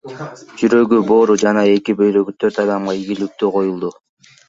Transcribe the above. Жүрөгү, боору жана эки бөйрөгү төрт адамга ийгиликтүү коюлду.